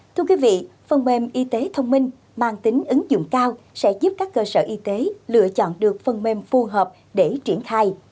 thưa quý vị phần mềm y tế thông minh mang tính ứng dụng cao sẽ giúp các cơ sở y tế lựa chọn được phần mềm phù hợp để triển khai